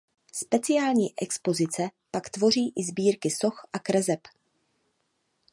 Speciální expozice pak tvoří i sbírky soch a kreseb.